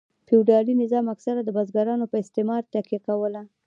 فیوډالي نظام اکثره د بزګرانو په استثمار تکیه کوله.